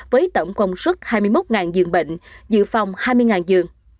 với tổng công suất hai mươi một dương bệnh dự phòng hai mươi dương